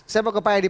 saya mau ke pak eddy